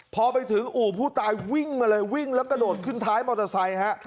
พอไปถึงอู่ผู้ตายวิ่งมาเลยวิ่งแล้วกระโดดขึ้นท้ายมอเตอร์ไซค์ฮะ